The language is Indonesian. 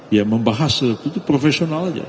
ya membahas itu profesional aja